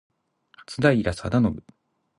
松平定信